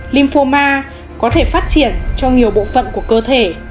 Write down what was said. limphoma có thể phát triển trong nhiều bộ phận của cơ thể